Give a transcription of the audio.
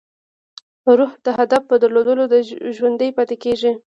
روح د هدف په درلودو ژوندی پاتې کېږي.